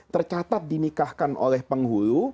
tercatat dinikahkan oleh penghulu